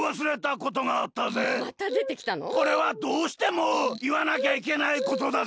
これはどうしてもいわなきゃいけないことだぜ！